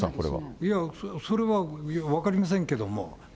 いや、それは分かりませんけれども。